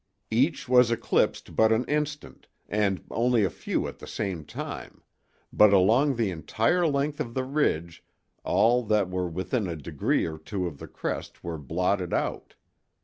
Each was eclipsed but an instant, and only a few at the same time, but along the entire length of the ridge all that were within a degree or two of the crest were blotted out.